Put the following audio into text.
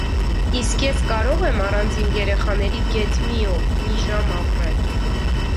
Իսկ ես կարո՞ղ եմ առանց իմ երեխաների գեթ մի օր, մի ժամ ապրել: